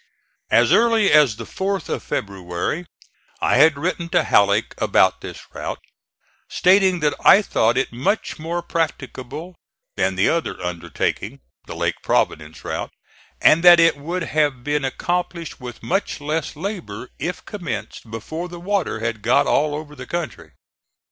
As early as the 4th of February I had written to Halleck about this route, stating that I thought it much more practicable than the other undertaking (the Lake Providence route), and that it would have been accomplished with much less labor if commenced before the water had got all over the country.